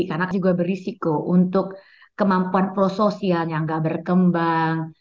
karena juga berisiko untuk kemampuan prososial yang nggak berkembang